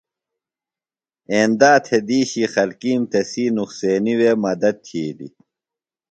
ایندا تھےۡ دِیشی خلکِیم تسی نُقصینیۡ وے مدد تِھیلیۡ۔